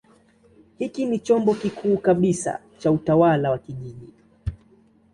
Hiki ni chombo kikuu kabisa cha utawala wa kijiji.